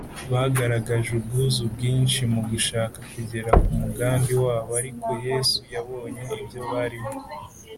bagaragaje ubwuzu bwinshi mu gushaka kugera ku mugambi wabo; ariko yesu yabonye ibyo barimo